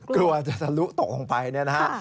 กลัวจะทะลุตกลงไปเนี่ยนะฮะ